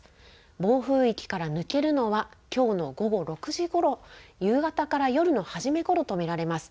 暴風域から抜けるのはきょうの午後６時ごろ夕方から夜の初めごろと見られます。